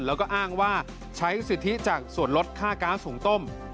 แล้วก็อ้างว่าใช้สิทธิจากส่วนลดค่าก๊าซหุงต้ม